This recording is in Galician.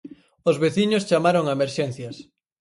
Os veciños chamaron a emerxencias.